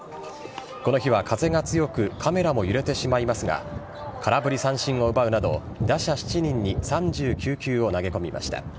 この日は風が強くカメラも揺れてしまいますが空振り三振を奪うなど打者７人に３９球を投げ込みました。